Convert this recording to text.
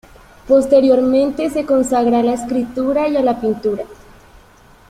Posteriormente se consagra a la escritura y a la pintura.